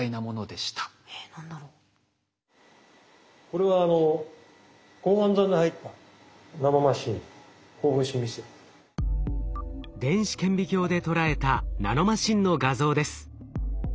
これは電子顕微鏡で捉えたナノマシンの画像です。